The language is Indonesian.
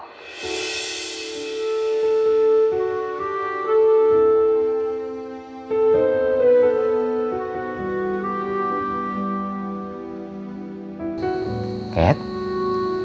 tapi aku gak mau